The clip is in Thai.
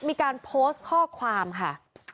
มีการโพสต์ข้อความค่ะ